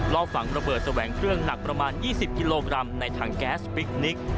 รอบฝังระเบิดแสวงเครื่องหนักประมาณ๒๐กิโลกรัมในถังแก๊สพิคนิค